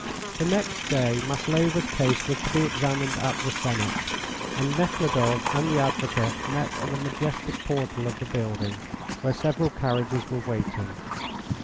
The next day Maslova's case was to be examined at the Senate, and Nekhludoff and the advocate met at the majestic portal of the building, where several carriages were waiting.